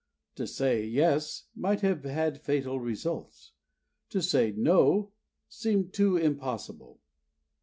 To say "Yes" might have had fatal results. To say "No" seemed too impossible.